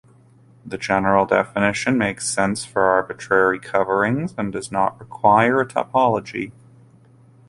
The general definition makes sense for arbitrary coverings and does not require a topology.